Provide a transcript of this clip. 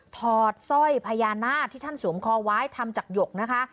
อดสร้อยพญานาคที่ท่านสวมคอไว้ทำจากหยกนะคะ